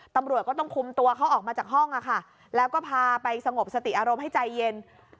ตำรวจก็ต้องคุมตัวเขาออกมาจากห้องแล้วก็พาไปสงบสติอารมณ์ให้ใจเย็น